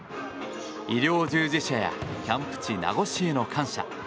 医療従事者やキャンプ地・名護市への感謝